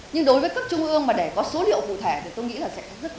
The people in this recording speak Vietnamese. nhưng đối với cấp trung ương mà để có số liệu cụ thể thì tôi nghĩ là sẽ rất khó